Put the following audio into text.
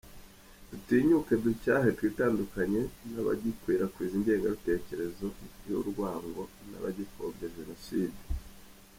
Dutinyuke ducyahe, twitandukanye n’abagikwirakwiza ingengabitekerezo y’urwango n’abagipfobya Jenoside.